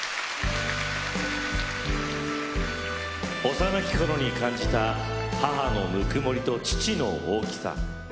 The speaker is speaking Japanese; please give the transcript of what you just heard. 幼き頃に感じた母のぬくもりと父の大きさ。